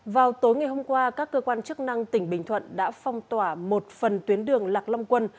vào tối ngày hôm qua các cơ quan chức năng tỉnh bình thuận đã phong tỏa một phần tuyến đường lạc long quân